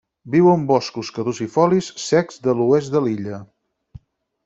Viu en boscos caducifolis secs de l'oest de l'illa.